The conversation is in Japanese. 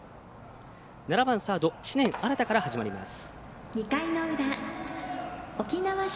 ７番サード知念新から始まります。